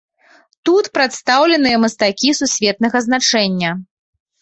Тут прадстаўленыя мастакі сусветнага значэння.